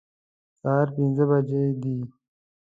سهار پنځه بجې دي